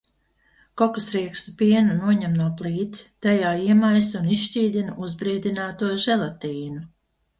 Kokosriekstu pienu noņem no plīts, tajā iemaisa un izšķīdina uzbriedināto želatīnu.